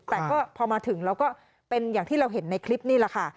แต่ก็พอมาถึงเราก็เป็นอย่างที่เราเห็นในคลิปนี่แหละค่ะ